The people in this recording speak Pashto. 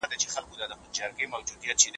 د معاصر سیاست روح په تاریخ کي دی.